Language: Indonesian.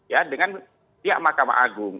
ya dengan pihak mahkamah agung